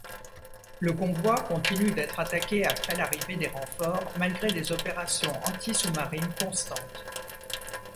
Le convoi continue d'être attaqué après l'arrivée des renforts, malgré des opérations anti-sous-marines constantes.